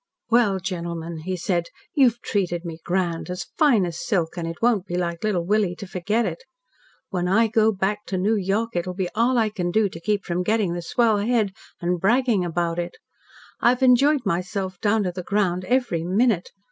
"Well, gentlemen," he said, "you've treated me grand as fine as silk, and it won't be like Little Willie to forget it. When I go back to New York it'll be all I can do to keep from getting the swell head and bragging about it. I've enjoyed myself down to the ground, every minute.